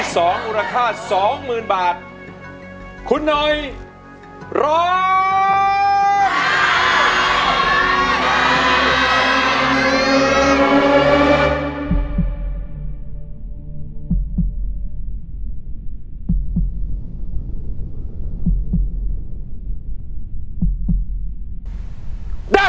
เพลงที่๒มูลค่า๒๐๐๐๐บาทคุณหน่อยร้อง